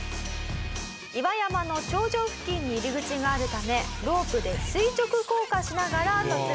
「岩山の頂上付近に入り口があるためロープで垂直降下しながら突入」